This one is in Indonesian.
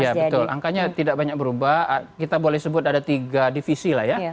iya betul angkanya tidak banyak berubah kita boleh sebut ada tiga divisi lah ya